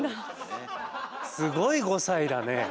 すごい５歳だね。